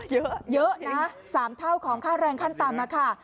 เยอะเยอะนะ๓เท่าของค่าแรงขั้นต่ำค่ะ